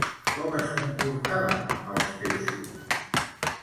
Com es comportaven els peixos?